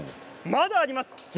まだあります。